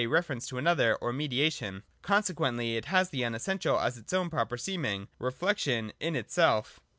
reference to another, or mediation. Consequently, it has the unessential as its ovm proper seeming (reflection) in itself.